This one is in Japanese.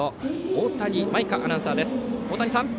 大谷舞風アナウンサーです。